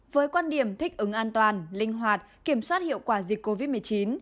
với quan điểm thích ứng an toàn linh hoạt kiểm soát hiệu quả dịch covid một mươi chín